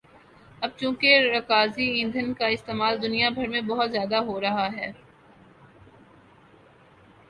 اب چونکہ رکازی ایندھن کا استعمال دنیا بھر میں بہت زیادہ ہورہا ہے